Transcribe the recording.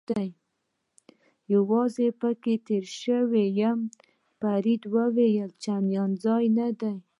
یوازې پکې تېر شوی یم، فرید وویل: چندان ځای نه دی.